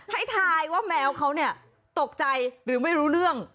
ให้ทายว่าแมวเขาเนี่ยตกใจหรือไม่รู้เรื่อง